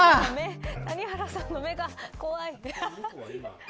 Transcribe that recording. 谷原さんの目が怖い。